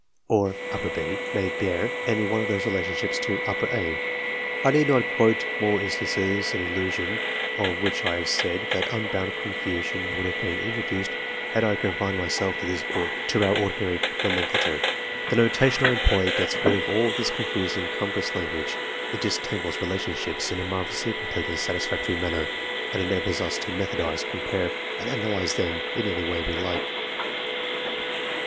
or B. may bear any one of those relation ships to A. I need not quote more instances in illustration of what I have said, that unbounded confusion would have been introduced had I confined myself in this book, to our ordinary nomenclature. The notation I employ gets rid of all this confused and cumbrous language. It disentangles relationships in a marvellously complete and satisfactory manner, and enables us to methodise, compare, and analyse them in any way we like.